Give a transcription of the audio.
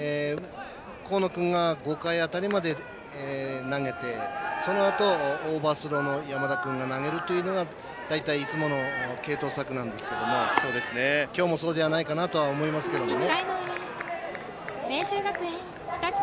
河野君が５回辺りまで投げてそのあとオーバースローの山田君が投げるというのが大体いつもの継投策なんですけどもきょうもそうじゃないかなと思いますけども。